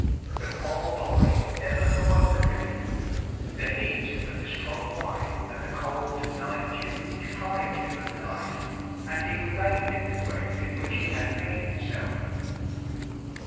The poor boy never awoke again; the heat of the strong wine and the cold night dew deprived him of life, and he remained in the grave in which he had laid himself.